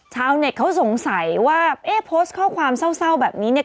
ชาวเน็ตเขาสงสัยว่าเอ๊ะโพสต์ข้อความเศร้าแบบนี้เนี่ย